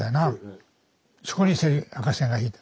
そこに赤線が引いてある。